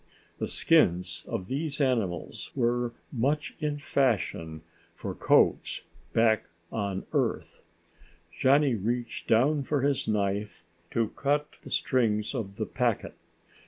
The skins of these animals were much in fashion for coats back on Earth. Johnny reached down for his knife to cut the strings of the packet.